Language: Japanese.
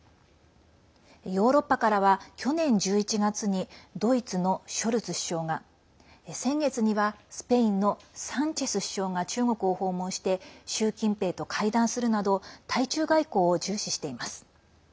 ヨーロッパからは去年１１月にドイツのショルツ首相が先月には、スペインのサンチェス首相が中国を訪問して習近平と会談するなど対中外交を重視しています。